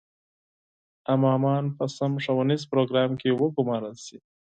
امامان په سم ښوونیز پروګرام کې وګومارل شي.